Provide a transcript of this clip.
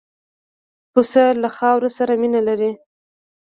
پسه له خاورو سره مینه لري.